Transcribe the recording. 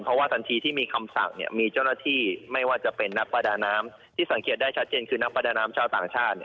เพราะว่าทันทีที่มีคำสั่งมีเจ้าหน้าที่ไม่ว่าจะเป็นนักประดาน้ำที่สังเกตได้ชัดเจนคือนักประดาน้ำชาวต่างชาติ